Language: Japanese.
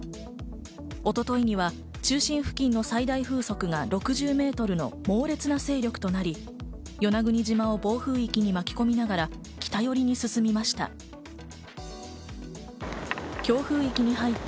一昨日には中心付近の最大風速が６０メートルの猛烈な勢力となり、与那国島を暴風域に巻き込みながら北寄りに進みました。